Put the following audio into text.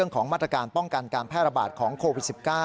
ของมาตรการป้องกันการแพร่ระบาดของโควิด๑๙